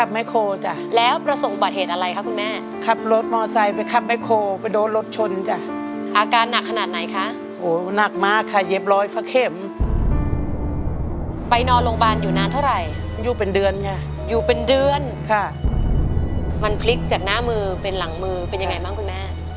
มันพลิกจากหน้ามือเป็นหลังมือเป็นยังไงบ้างคุณแม่